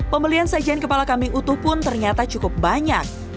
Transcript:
pembelian sajian kepala kambing utuh pun ternyata cukup banyak